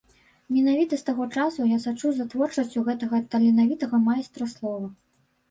Менавіта з таго часу я сачу за творчасцю гэтага таленавітага майстра слова.